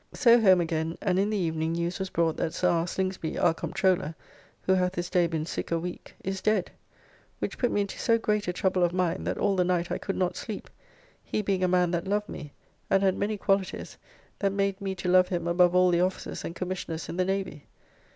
So home again, and in the evening news was brought that Sir R. Slingsby, our Comptroller (who hath this day been sick a week), is dead; which put me into so great a trouble of mind, that all the night I could not sleep, he being a man that loved me, and had many qualitys that made me to love him above all the officers and commissioners in the Navy.